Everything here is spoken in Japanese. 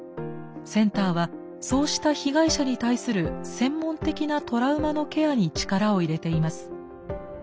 センターはそうした被害者に対する専門的なトラウマのケアに力を入れています。